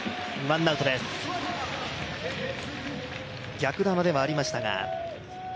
逆球ではありましたが。